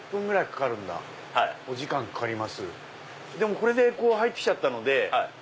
これで入ってきちゃったので。